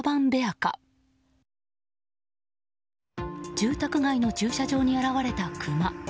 住宅街の駐車場に現れたクマ。